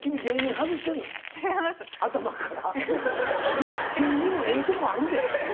いや芸人もええとこあるでなぁ。